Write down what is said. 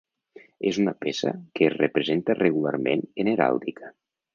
És una peça que es representa regularment en heràldica.